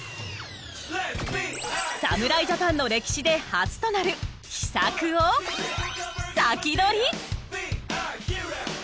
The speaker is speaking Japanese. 侍ジャパンの歴史で初となる秘策をサキドリ！